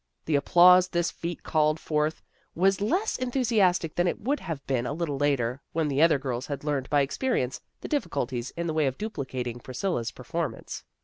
The applause this feat called forth was less enthusiastic than it would have been a little later, when the other girls had learned by experience the difficulties in the way of duplicating Priscilla's performance.